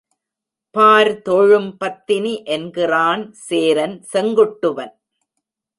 பார் தொழும் பத்தினி என்கிறான் சேரன் செங்குட்டுவன்.